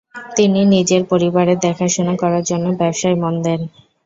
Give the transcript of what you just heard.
তিনি নিজের পরিবারের দেখাশোনা করার জন্য ব্যবসায় মন দেন।